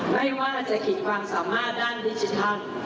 ไม่ว่าจะขีดความสามารถด้านดิจิทัล